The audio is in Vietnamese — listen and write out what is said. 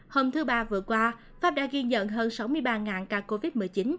hôm thứ ba vừa qua pháp đã ghi nhận hơn sáu mươi ba ca covid một mươi chín